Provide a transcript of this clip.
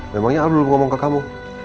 memangnya al belum ngomong ke kamu